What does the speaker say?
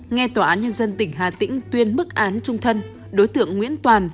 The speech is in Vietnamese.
nghe tòa án nhân dân tỉnh hà tĩnh tuyên mức án trung thân đối tượng nguyễn toàn